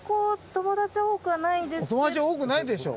お友達多くないでしょ。